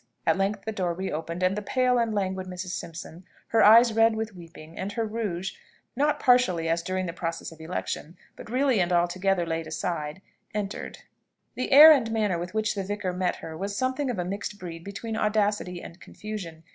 At length the door reopened, and the pale and languid Mrs. Simpson, her eyes red with weeping, and her rouge (not partially, as during the process of election, but really and altogether) laid aside, entered. The air and manner with which the vicar met her was something of a mixed breed between audacity and confusion.